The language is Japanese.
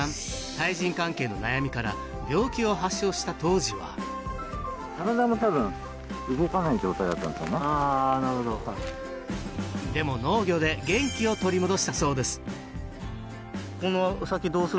対人関係の悩みから病気を発症した当時はあなるほどでも農業で元気を取り戻したそうです